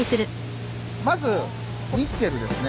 まずニッケルですね。